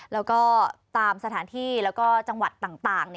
แล้วก็ตามสถานที่แล้วก็จังหวัดต่าง